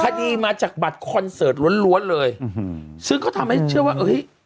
คดีมาจากบัตรคอนเสิร์ตล้วนล้วนเลยอืมซึ่งเขาทำให้เชื่อว่าเฮ้ย